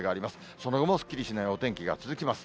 その後もすっきりしないお天気が続きます。